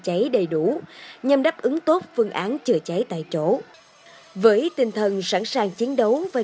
cháy đầy đủ nhằm đáp ứng tốt phương án chữa cháy tại chỗ với tinh thần sẵn sàng chiến đấu với